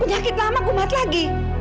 penyakit lama kumat lagi